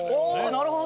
なるほど！